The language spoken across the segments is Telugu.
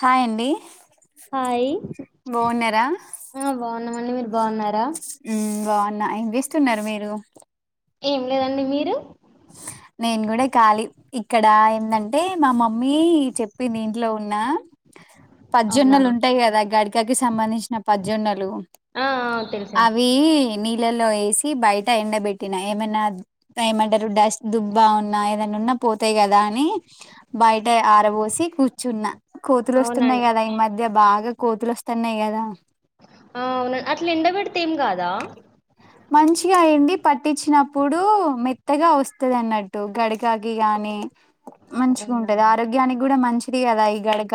హాయ్ అండి. హాయ్ బాన్నురా? ఆ బాగున్నామండి. మీరు బాగున్నారా? బావున్న ఏం చేస్తున్నారు మీరు? ఏం లేదండి మీరు? నేను కూడా ఖాలీ ఇక్కడ ఎందంటే మా మమ్మీ చెప్పి దీంట్లో ఉన్నా అవునా పజ్జోన్నలు ఉంటాయి కదా గడకకి సంబంధించిన పజ్జోన్నలు ఆ ఆ తెలుసండి అవి నీ నీళ్లలో ఏసి బయట ఎండబెట్టిన ఏమన్నా ఏమంటే డస్ట్ దుబ్బా ఉన్నా ఏదైనా ఉన్నా పోతాయి కదా అని బయట ఆరబోసి కూర్చున్నా కోతులు వస్తున్నాయి అవునండి కదా ఈ మధ్య బాగా కోతులు వస్తున్నాయి కదా ఆ అవును అట్లా ఎండబడితే ఏం కాదా? మంచిగా ఎండి పట్టించిన ప్ ప్పుడు మెత్తగా వస్తది అన్నట్టు గడకాకి గాని మంచిగా ఉంటది అవునండి ఆరోగ్యానికి కూడా మంచిది కదా ఈ గడక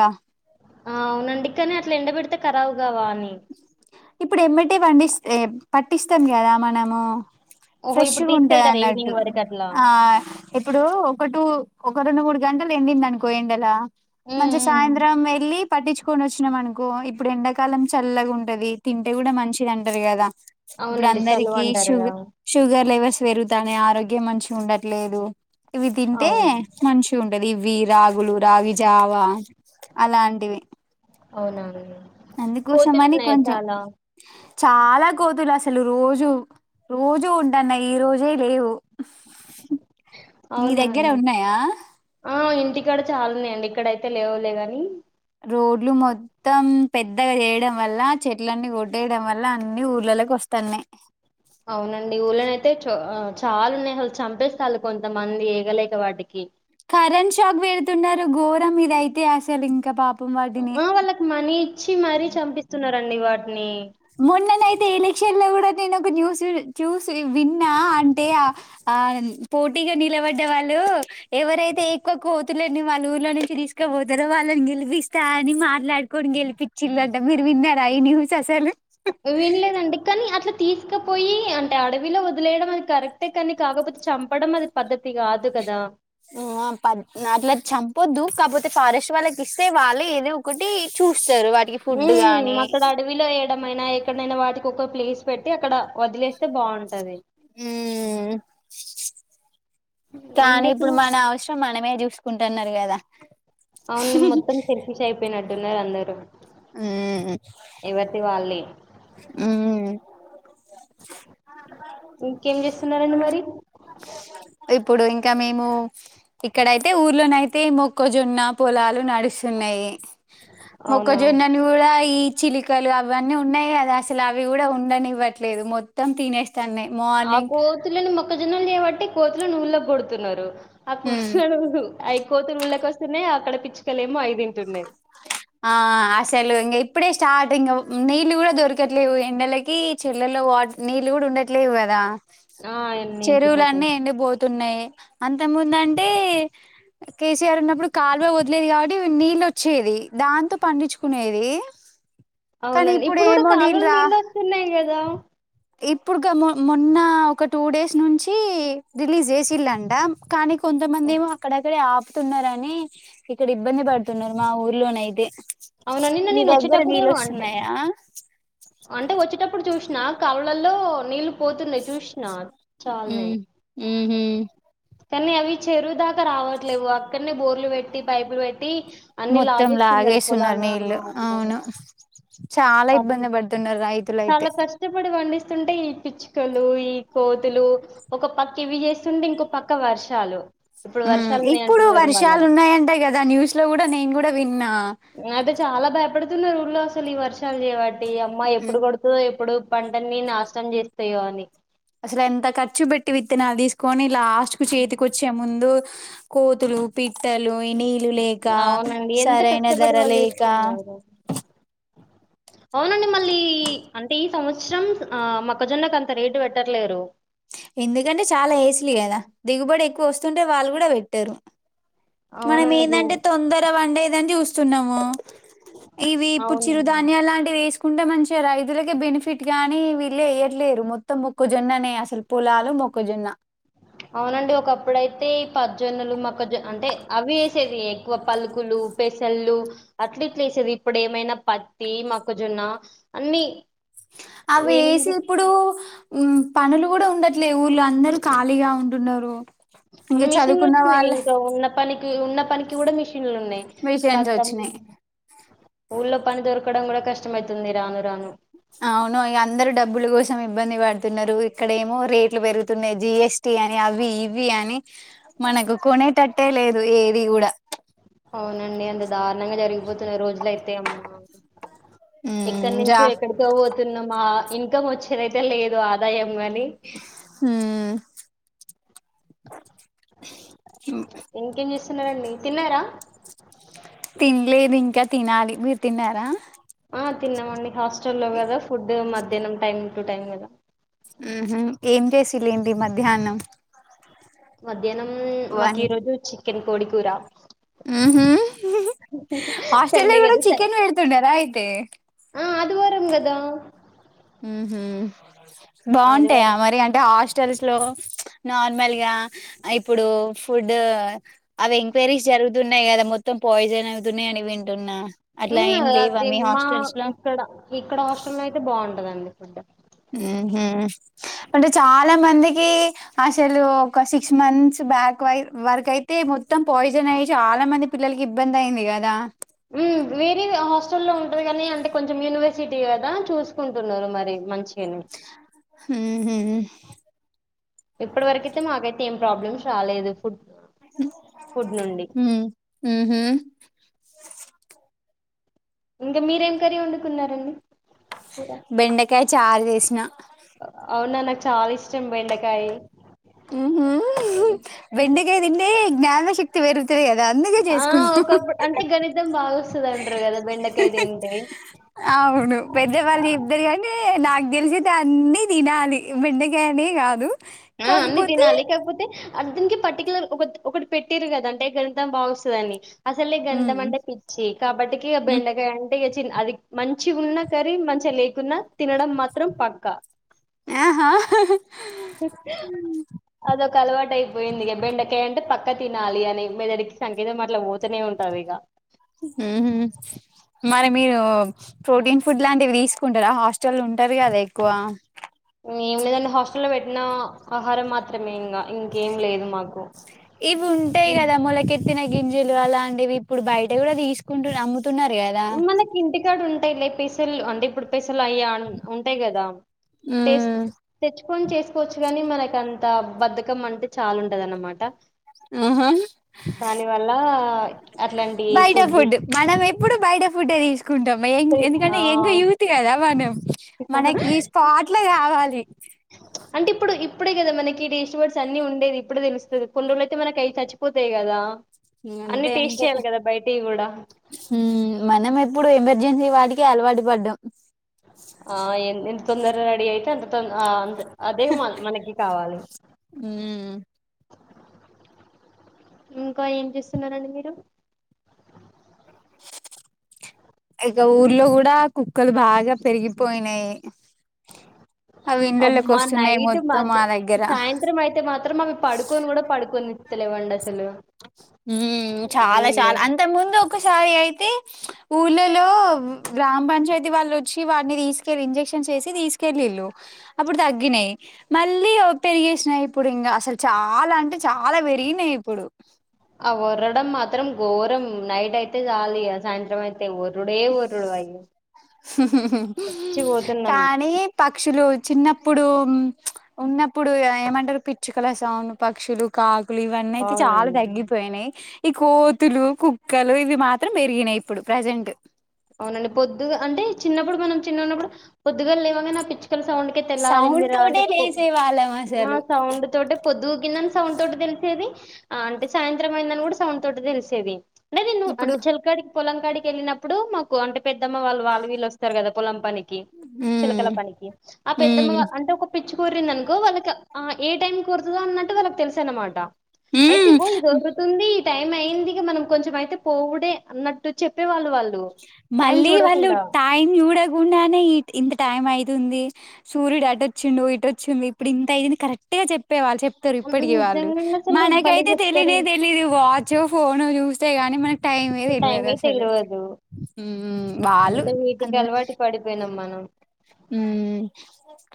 ఘవాణి ఇప్పుడు ఎంబటే పండిస్త్ ఎ పట్టిస్తాం కదా మనము ఓహో ఇప్పుడు ఫ్రెషుగుంటాయి తీసుకెళ్తారు అన్నట్టు ఈవినింగ్ వరకు అట్లా ఆ ఇప్పుడు ఒక టు ఒక రెండు మూడు గంటలు ఎండింది. అనుకో ఎండలా ఉమ్, మంచిగా ఉమ్. సాయంత్రం ఏళ్ళి పట్టించుకొని వచ్చినం అనుకో ఇప్పుడు ఎండాకాలం చల్లగా ఉంటది తింటే కూడా మంచిది అంటారు కదా ఇప్పుడు అవునండి సలువ అందరికి షుగ్ అంటారుగా షుగర్ లెవెల్స్ పెరుగు తన్నాయ్ ఆరోగ్యం మంచిగుండట్లేదు. ఇవి తింటే అవును మంచి ఉం ఇదివి రాగులు రాగిజావా అలాంటివి. అవునవును అందుకోసం అని కొంచెం చాలా కోతులు అసలు రోజ్ జు రోజూ ఉంటన్నాయి ఈ రోజే లేవు మీ అవునా దగ్గర అండి ఉన్నాయా ఆ ఇంటికాడ చాలున్నాయండి. ఇక్కడైతే లేవులే గని రోడ్లు మొత్తం పెద్దగా చేయడం వల్ల, చెట్లన్నీ కొట్టేయడం వల్ల, అన్ని ఊర్లల్లకి వస్తన్నాయి. అవునండి ఊలోనైయితే చో అ చ్ చాలా ఉన్నాయి అసల్ చంపేస్తాలు కొంతమంది ఎగలేక వాటికి కరెంట్ షాక్ పెడుతున్నారు. ఘోరం ఇదయితే అసలు ఇంకా పాప్ ఉ వాళ్ళకి మనీ ఇచ్చి మరీ చంపిస్తున్నారండి వాటిని మొన్నయితే ఇలేక్షన్లో కూడా నేను ఒక న్యూస్ చూ చూసి విన్నా అంటే ఆ ఆ పోటీగా నిలవడ్డ వాళ్ళు ఎవరైతే ఎక్కువ కోతులని వాళ్ళ ఊర్లోనుంచి తీసుకపోతారో వాళ్ళని గెలిపిస్తా అని మాట్లాడు కొని గెలిపించిలంట మీరు విన్నారా ఈ న్యూస్ అసలు వినలేదండి కానీ అట్ల తీసుకుపోయి అంటే అడవిలో వదిలేయడం అది కరెక్టే కానీ కాకపోతే చంపడం అది పద్ధతి కాదు కదా కాదు అట్లా చంపద్దు కాకపోతే ఫారెస్ట్ వాళ్ళకి ఇస్తే వాళ్ళు ఏదో ఒకటి చూస్తారు వాటికి ఫుడ్ మ్మ్ గానీ అక్కడ అడవిలో వేయడమైనా ఎక్కడైనా వాటి కొక ప్లేస్ పెట్టి అక్కడ వదిలేస్తే బాగుంటది మ్మ్ ఏం కానీ ఇప్పుడు చేస్తున్నారు మన అవసరం మనమే చూసుకుంటున్నారు కదా అవును మొత్తం సెల్ఫిష్ అయిపోయినట్టున్నారు అందరు ఎవర్ది వాళ్లే మ్మ్ ఇంకేం చేస్తున్నారండి మరి ఇప్పుడు ఇంకా మేము ఇక్కడైతే ఊర్లోన అయితే మొక్కజొన్న పొలాలు నడుస్తున్నాయి అవునా మొక్కజొన్నను కూడా ఈ చిలికలు అవన్నీ ఉన్నాయి అసలు అవి కూడా ఉండనివ్వట్లేదు మొత్తం తినేసి ఆ కోతులను మొక్కజొన్నలు చేయబట్టి కోతులను ఊళ్ళో కొడుతున్నారు ఉమ్ ఆప్పుడు కోతులు ఊళ్ళకోస్తున్నాయి అక్కడ పీచుకలేమో అవి తింటున్నాయి ఆ అసలు ఇంగ ఇప్పుడే స్టార్ట్ ఇంకా నీళ్లు కూడా దొరకట్లేవు ఎండలకి చెర్లలో నీళ్లు కూడా ఉండట్లేవు కదా ఆ అన్నీ ఇంకిపోతాయి చెరువులన్నీ ఎండిపోతున్నాయి అంత ముందు అంటే కేసీఆర్ ఉన్నప్పుడు కాలువ వదిలేది కాబట్టి నీళ్ళు వచ్చేది దాంతో పండించుకునేది కానీ అవునండి ఇప్పుడు కూడా ఏమో కాలువల రా నీళ్ళు వస్తున్నాయి కదా ఇప్పుడు కాదు మొన్న ఒక టూ డేస్ నుంచి రిలీజ్ చేసిల్లంట కానీ కొంతమంది ఏమో అక్కడక్కడే ఆపుతున్నారాని ఇక్కడ ఇబ్బంది పడుతున్నారు మా ఊర్లోనయితే అవునా నిన్న మీ నేను దగ్గర వచ్చేటప్పుడు అంటే నీళ్ళొస్తున్నాయా అంటే వచ్చేటప్పుడు చూసినా కాలువల్లో నీళ్ళు పోతున్నాయి చూసిన చాలానే మ్మ్ హ్హ్ హు కానీ అవి చెరువుదాకా రావట్లేవు అక్కడనే బోర్లు పెట్టి పైపులు పెట్టి అన్ని మొత్తం లాగేస్తున్నారు నీళ్ళు అవును చాలా పొలల్లోకి ఇబ్బంది పడుతున్నారు రైతులయితే చాలా కష్టపడి పండి స్తుంటే ఈ పిచ్చుకలు ఈ కోతులు ఒక పక్క ఇవి చేస్తుంటే ఇంకో పక్క వర్షాలు ఇప్పుడు వర్షాలు ఉన్నాయి ఇప్పుడు అంటున్నారు మళ్ళా వర్షాలు ఉన్నాయంట కదా న్యూస్ లో నేను కూడా విన్నా అయితే చాలా భయపడుతున్నారు ఊళ్ళో అసలు ఈ వర్షాలు చేయవాట అమ్మ ఉమ్ ఎప్పుడు కొడుతుందో ఎప్పుడు కొట్టదో పంటని నాశనం చేస్తాయో అని అసలు ఎంత ఖర్చు పెట్టి విత్తనాలు తీసుకొని లాస్ట్ కు చేతికి వచ్చే ముందు కోతులు పిట్టలు అవన్నీ అవునండి ఎంత కష్టపడి వాళ్ళు లేక చేస్తున్నారు అవునండి మళ్ళీ అంటే ఇ సంవత్సరం ఆ మొక్కజొన్నకు అంత రేటు పెట్టట్లేరు ఎందుకంటే చాలా ఏసిన్లు కదా దిగుబడి ఎక్కువ వస్తుంటే వాళ్ళు కూడా పెట్టరు మనం అవునండి గు ఏందంటే తొందర వండేదని చూస్తున్నాము ఇవి ఇప్పుడు అవును చిరుధాన్యాలా లాంటివి వేసు కుంటే మంచిగ రైతులకే బెనిఫిట్ గానీ వీళ్ళే వేయట్లేరు మొత్తం మొక్కజొన్ననే అసలు పొలాలు మొక్కజోన్న అవునండి ఒకప్పుడైతే ఈ పజ్జోన్నలు మక్కజొన్నలు అంటే అవి వేసేది ఎక్కువ పలుకులు పెసళ్లు అట్ల ఇట్ల వేసేది ఇప్పుడు ఏమైనా పత్తి మొక్కజొన్న అన్ని అవి వేసి ఏంది ఇప్పుడు ఉమ్ పనులు కూడా ఉండట్లే ఊర్లో అందరరు ఖాళీగా ఉంటున్నారు ఇంకా మిషన్లు చదువుకున్న వచ్చినాయి వాళ్ళ ఇంకా ఉన్న పనికి ఉన్న పనికి కూడా మిషన్ మిషన్ లు ఉన్నాయి మిషన్స్ కత వచ్చినాయి ఊళ్లో పని దొరకడం కూడా కష్టమైతుంది రాను రాను అవును అందరు డబ్బుల కోసం ఇబ్బంది పడుతున్నారు ఇక్కడ ఏమో రేట్లు పెరుగుతున్నాయి జిఎస్టి అని అవి ఇవి అని మనకు కొనేటట్టే లేదు ఏది కూడా అవునండి అంత దారుణంగా జరిగిపోతున్నాయి రోజులు అయితే అమ్మా ఎక్కడ మ్, జా నుంచో ఎక్కడికో పోతున్నమా ఇన్కమ్ వచ్చేదయితే లేదు ఆదాయం కాని ఉమ్ ఇంకేం చేస్తున్నారండి తిన్నారా లేదు ఇంకా తినాలి మీరు తిన్నారా ఆ తిన్నామండి హాస్టల్లో గదా ఫుడ్ మధ్యానం టైమ్ టు టైమ్ కదా. ఉహుహ్ ఏం చేసిలేంటి మధ్యాహ్నం మధ్యాహ్నం మాకు ఈ రోజు చికెన్ కోడి కూర మ్ హా సండే గదు పెడుతుండారా అయితే ఆ ఆదివారం గదా అ ఉ హ బాగుంటాయా ఆదివారం మరి అంటే హాస్టల్స్ లో నార్మల్ గా ఇప్పుడు ఫుడ్ అవి ఎంక్వైరీస్ జరుగుతున్నా న్నాయి కదా మొత్తం పాయిజన్ అవుతున్నా అని వింటున్నా అట్లా హుమ్మ్ ఏం లేవా అది మీ మా హాస్టల్స్ లో ఇక్కడ ఇక్కడ హస్టల్ లో అయితే బావుటదండి ఫుడ్ ఆ హ అంటే చాలా మందికి అసలు ఒక సిక్స్ మంత్స్ బ్యాక్ వై వరక అయితే మొత్తం పాయిజన్ అయ్యి చాలా మంది పిల్లలకి ఇబ్బంది అయింది కదా ఉహ్మ్ వేరే హాస్టల్ల్లో ఉంటారు గానీ అంటే కొన్ యూనివర్సిటీ కదా చూసుకుంటున్నారు మరి మంచి హుహ్ ఇప్పటి వరకైతే మాకైతే ఏం ప్రాబ్లమ్స్ రాలేదు ఫుడ్ ఫుడ్ నుండి ఉ ఉహు ఇంకా మీరేం కరీ వండుకున్నారండి బెండకాయ చారు జేసినా అవునా నాకు చాలా ఇష్టం బెండకాయి ఉహుహ్ బెండకాయ దింటే జ్ఞాన శక్తి వేరు తె కదా అందుకే ఆ చేసుకుంటాం ఒకప్పుడు అంటే గణితం బాగా వస్తది అంటారు కదా బెండకాయ తింటే అవును పెద్దవాళ్ళు ఇబ్దరి గానీ నాగ్ ఢీలసైతే ఆ అన్ని దినాలి బెండకాయనే గాదు. ఆ అన్ని తిన్నాలి కాకపోతే అర్ధనికి పర్టిక్యలర్ ఒక ఒకటి పెట్టటిరు కదా అంటే గ్రంతం బాగోసాదని. అసలు ఈ ఉమ్ గంధంమంటే పిచ్చి కాబట్టికి ఉమ్ బెండకాయంట ఇగా చిన్ అది మంచిగ్ ఉన్నా కర్రీ మంచిగా లేకున్నా తినడం మాత్రం పక్క ఆహా అద ఒక్క అలవాటు అయిపోయింది ఇగా బెండకయ అంట పక్కా తినాలి అని మెదడికి సంకేతం అట్ల పోతనే ఉంటది ఇగ ఉమ్ హు మరి మీరు ప్రోటీన్ ఫుడ్ లాంటివి తీసుకుంటారా హాస్టల్ ఉంటారు కదా ఎక్కువ ఇంగా ఏం లేదండి హాస్టల్లో వెట్టిన ఆహారం మాత్రం. మయిన్ గా ఇంకేం లేదు మాకు ఇవి ఉంటాయి కదా మొలకెత్తిన గింజలు అలాంటివి ఇప్పుడు బయట గూడా దిసుకుంటూర్ అమ్ముతున్నారు గదా టే లే పెసళ్ళు అంటే ఇప్పుడు పెసళ్ళు అయ్యా ఉంటాయి గదా. పేస్ ఉమ్ తెచ్చ్ ఫోన్ చేసుకోవచ్చు గానీ మనక్ అంత బద్ధకం అంటే చాలా ఉంటద అన్నమాట. ఉహ్ దాని వల్ల అట్లాంటి బయట ఫుడ్ తీసు మనం ఎప్పుడు బయట ఫుడ్డే తీసుకుంటాం ఎంగ్ ఆ ఎందుకంటే ఎంగు యూత్ గదా మనం. మనకీ స్పాట్లో గావాలి. అంటే ఇప్పుడు. ఇప్పుడే గదా మనకి టేస్ట్ బర్డ్స్ అన్నీ ఉండేది ఇప్పుడే తెలుస్తది. కొన్ని రోజులయితే మనకి అవి చచ్చిపోతాయి గదా. ఊ అంతే అంతే కూడా హ్మూ మనం ఎప్పుడూ ఎమ్మర్ జెన్సీ వాటికే అలవాటు పడ్డాం. ఆ ఎం ఎంత తొందరగ రెడీ అయితే అంత తొంద ఆ అంతె. అదే మ మనకి కావాలి. మ్మ్ ఇంకా ఏం చేస్తున్నారండి మీరు. ఇక ఊర్లో గూడా కుక్కలు బాగా పెరిగిపోయినయి. అమ్మా నైట్ మాత్రం దగ్గర సాయంత్రం అయితే మాత్రం అవి పడుకోను గూడా పడుకోనిస్ స్తలేవండి అస్స్ హ్మూ చాలా ఊళ్ళో చాలా అంతక్ ముందు. ఒకసారి అయితే ఊళ్ళలో గ్రామ పంచాయతీ వాళ్ళు వచ్చి వాటిని తీసుకెళ్ళి ఇంజెక్ష క్షన్ చేశి తీసుకెళ్ళిల్లు అప్పుడు తగ్గినయి మళ్ళీ ఓ పెరిగేశినయ్ ఇప్పుడు ఇంగా అసల్ చా చాలా అంటే చాలా పెరిగినయి ఇప్పుడూ. అవ్వొర్రడం మాత్రం ఘోరం నైట్ అయితే చాలిగా సాయంత్రం అయిత్ తే వర్రుడే వర్రుడు అయ్యి కానీ పక్షులూ చిన్నప్పుడూ ఉమ్మ్ ప్చ్ ఉన్నప్పుడూ ఇగ ఏమంటరు పిచ్చుకల సౌండు, పక్షులు, కాక్ కులు ఇవన్నీ అయితే చాలా అవునండి తగ్గిపోయినయి. ఈ కోతులు, కుక్కలు ఇవి మాత్రం పెరిగినయి ఇప్పుడు ప్రజెంటు. అవునండి పొద్దుగా అంటే చిన్నప్పుడు మనం చిన్నగున్నప్పుడు పొద్దుగాల్ లేవంగనే ఆప్పిచ్చు కల సౌండ్కే సౌండ్ తెల్లారిందిరా అంటే తోటే పొ లేసేవాళ్ళం ఆ అసలు. సౌండ్ తోటే పొద్దూకిందని. సౌండ్ తోటి తెల్సేది. ఆ అంటే సాయంత్రం అయిందని గూడ సౌండ్ తోటి తెల్సేది. అంటేదిన్ను ఇప్పుడు అంటే చెల్కాడికి పొలం కాడికి ఎళ్ళినప్పుడూ మాకు అంటే పెద్దమ్మ వాళ్ళు వాళ్ళు వీళ్ళు వస్తరు గదా పొలం పనికి. చెలకల ఉమ్ పనికి ఆ పెద్దమ్మ ఉమ్ వా అంటే ఒక పిచ్ చ్చుక ఒర్రిందనుకో వాళ్ళకి ఆ ఏ టైమ్కు ఒర్రుతదో అన్నట్టు వాళ్ళకు తెల్స అన్నమాట. అయితే ఉమ్ ఇగో ఇది ఒర్రుతుందీ. టైం అయింది ఇగ మనం కొంచెం అయితే పోవుడే అన్నట్టు చెప్పేవాళ్ళు వాళ్ళు. టైం మళ్ళీ వాళ్ళు చూడకుండా టైం చూడకుండానే ఇ ఇంత టైం అయితుం దీ సూర్యుడు అటు వచ్చిండు ఇటు వచ్చింది ఇప్పుడు ఇంత ఐంది కరెక్ట్ గా చెప్ తే వాళ్ళు చెప్తరు ఇప్పటికి వాళ్ళు. నిజంగానే అసలు భలే మనకైతే చెప్తారు తెలీనే తెలీదు వాచు ఫోను చూశ్ తే గాని మనకి టైమే తెల్వదు టైమే అసలు. తెలవదు ఊఊ వాళ్ళు కన్నె నం మనం ఊ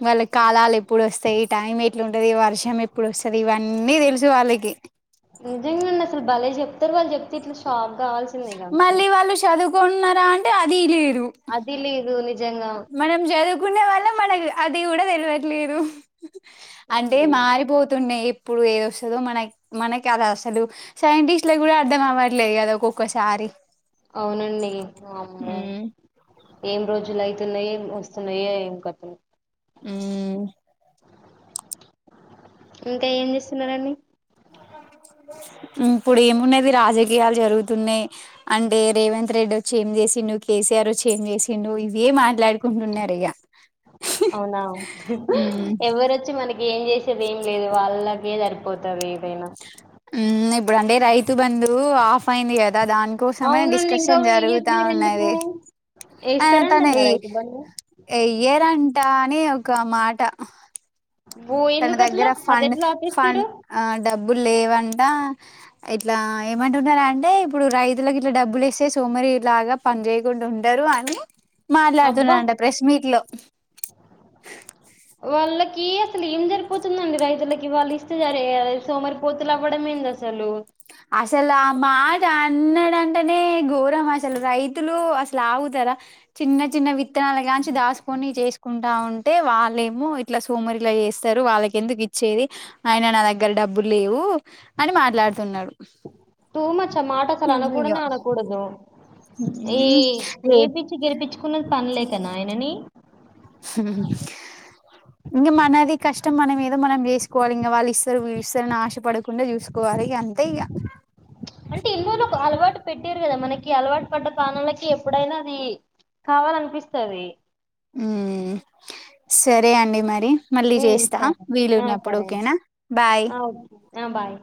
వాళ్ళక్ కాలాలు ఎప్పుడు వస్తయి టైం ఎట్లుంటది వర్షం ఎప్పుడు వస్తది. ఇవన్నీ తెల్సు వాళ్ళకి. నిజంగ అండి అసలు భలే చెప్తరు వాళ్ళు చెప్తే ఇట్ల షాక్ కావాల్సిందే ఇగ అంతే మళ్ళీ వాళ్ళు శదువుకున్నారా అంటే అదీ లేద్ అదీ లేదు నిజ్ మనం చదువుకునే వాళ్ళం మనకు అది గూడా తెల్వట్లేదు. అంటే ఉమ్, మారిపోతున్నయి ఇప్ ఇప్పుడు ఏదొస్తదో మనక్ మనకి అలా అసలు సైంటిస్ట్ లగ్గూడా అర్ధం అవ్వట్లేదు గదా ఒక్కొక్కసారి. అవునండి వామ్మో. ఉమ్ ఏం రోజులు అయితున్నయ్ ఏం వస్తున్నయో ఏం కతనో. హ్మూ ఇంకా ఏం చేస్తున్నరండి. ఉ ఇప్పుడు ఏమున్నది రాజకీయాలు జరుగుతున్నయ్. అంటే రేవంత్ రెడ్డి వచ్చి ఏం చే సిండు, కేసీఆర్ వచ్చి ఏం చేసిండు ఇవ్వే మాట్లాడుకుంటున్నారయ్యా. అవునా. ఉమ్ ఎవ్వరొచ్చి మనక్ కేం చేశేది ఏం లేదు వాళ్ళకే సరిపోతది ఏదైనా. ఊ ఇప్పుడు అంటే రైతు బందూ ఆఫ్ ఫ్ అయింది గదా దాని కోసమే అవునండి ఇంకా డిస్కషన్ జరుగుతా వేయట్లేరు ఎందుకు ఉన్నది. ఆ తన వేస్తారంటనా ఈ రైతు బంధు ఇయ్యరంటా అని ఒకా మాట. ఓ తన ఎందుకట్లా దగ్గర అది ఫండ్ ఎట్లా ఫండ్ ఆపేస్తారు ఆ డబ్బుల్ లేవన్ ఆ ఇట్లా ఏమంటున్నా రంటే ఇప్పుడు రైతులకి ఇట్ల డబ్బులు ఇస్తే సోమరి లాగా పన్ ని చేయకుండ ఉంటరు అనీ. అబ్బా మాట్లాడుతున్నారంట ప్రెస్ మీట్ లో. కీ అసలు ఏం సరిపోతుందండి రైతులకి వాళ్ళు ఇస్తే సరే సోమరి పోతులు అవ్వడంమేంది అసలు. అసల్ ఆ మాట అన్నడంటనే ఘోరం అసలు రైతులూ అసలు ఆగుత ర చిన్న చిన్న విత్తనాల గాంచి దాసుకొని చేసుకుంటా ఉంట్ టే వాళ్ళేమో ఇట్లా సోమరి ఇట్ల చేస్తరు వాళ్ళకెందుకు ఇచ్చేది. అయిన నా దగ్గర డబ్బులు లేవు. వు అని మాట్లాడుతున్నాడు. టూ మచ్చ్ ఆ మాట అసల్ నిజంగా అనకూడనే అనకూడదూ. ఈ ఏ పిచ్చి గెలిపిచ్చుకున్నది పనిలేకనా ఆయననీ. ఇంక మనది కష్ట్ ష్టం మన మేదో మనం చేసుకోవాలి ఇంగ వాళ్ళు ఇస్తరు వీడు ఇస్తరు అని ఆశపడకుండ చూసుకోవాలి. ఇగ అంతే ఇగా అంటే ఇన్ని రోజులు ఒక అలవాటు పెట్టిర్రు గదా మనకీ. అలవాటు పడ్డ ప్రాణాలకి ఎప్పుడైనా అదీ. కావాలనిపిస్తది. ఊహ్. సరే అండి మరి. మళ్ళీ ఉమ్ చేస్తా సరే ఆ వీలున్నప్పుడు సరే అండి ఓకేనా బాయ్. ఆ ఓకే ఆ బాయ్